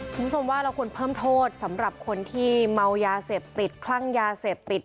คุณผู้ชมว่าเราควรเพิ่มโทษสำหรับคนที่เมายาเสพติดคลั่งยาเสพติด